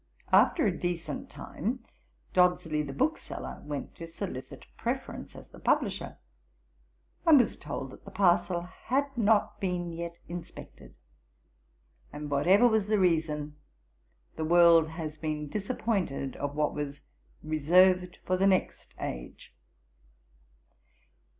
After a decent time, Dodsley the bookseller went to solicit preference as the publisher, and was told that the parcel had not been yet inspected; and, whatever was the reason, the world has been disappointed of what was "reserved for the next age."' Ib. p. 306.